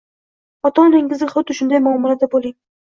ota-onangizga xuddi shunday muomalada bo‘ling.